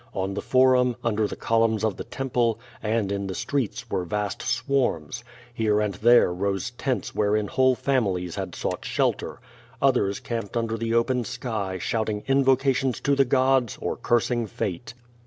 On the forum, under the columns of the temple, and in the streets were vast swarms. Here and there rose tents wherein wliole families had sought shelter. Others camped under the open sky, shout ing invocations to the gods, or cursing fate.